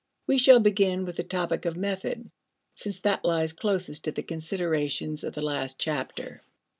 We shall begin with the topic of method, since that lies closest to the considerations of the last chapter.